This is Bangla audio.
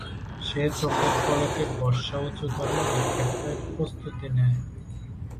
সে চোখের পলকে বর্শা উঁচু করে নিক্ষেপের প্রস্তুতি নেয়।